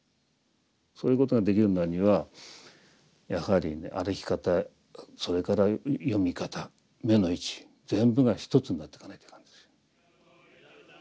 そういうことができるようになるにはやはりね歩き方それから読み方目の位置全部が一つになっていかないといかんですよ。